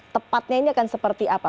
tepatnya ini akan seperti apa